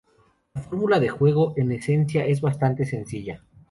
La fórmula de juego, en esencia es bastante sencilla.